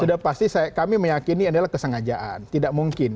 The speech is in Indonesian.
sudah pasti kami meyakini adalah kesengajaan tidak mungkin